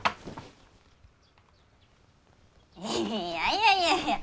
いやいやいやいや